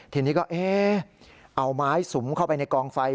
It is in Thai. ทีนี้ก็เอ๊ะเอาไม้สุมเข้าไปในกองไฟ